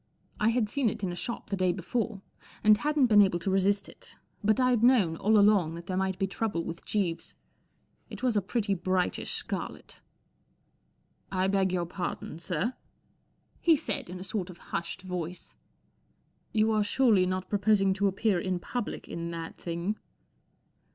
I had seen it in a shop the day before and hadn't been able to resist it, but I'd known all along that there might be trouble with Jeeves. It was a pretty brightish scarlet. '* 1 beg your pardon, sir," he said, in a sort of hushed voice " You are surely not proposing to appear in public in that thing